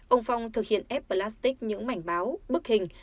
ông phong thực hiện ép plastic những mảnh báo bức hình